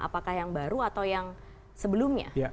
apakah yang baru atau yang sebelumnya